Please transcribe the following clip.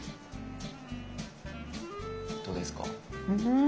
どうですか？